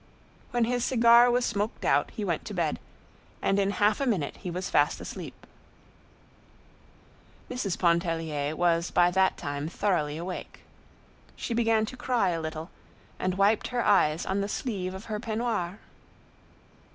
When his cigar was smoked out he went to bed, and in half a minute he was fast asleep. Mrs. Pontellier was by that time thoroughly awake. She began to cry a little, and wiped her eyes on the sleeve of her peignoir.